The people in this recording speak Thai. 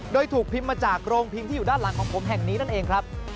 โดยถูกพิมพ์มาจากโรงพิมพ์ที่อยู่ด้านหลังของผมแห่งนี้นั่นเองครับ